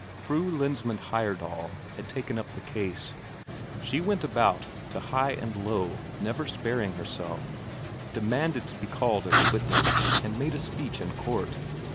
Fru Lensmand Heyerdahl had taken up the case. She went about to high and low, never sparing herself, demanded to be called as a witness, and made a speech in court.